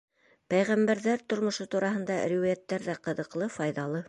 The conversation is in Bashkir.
Пәйғәмбәрҙәр тормошо тураһында риүәйәттәр ҙә ҡыҙыҡлы, файҙалы.